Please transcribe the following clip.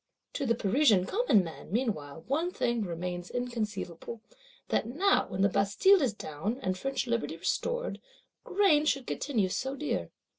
To the Parisian common man, meanwhile, one thing remains inconceivable: that now when the Bastille is down, and French Liberty restored, grain should continue so dear.